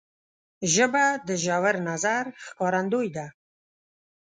ژبه د ژور نظر ښکارندوی ده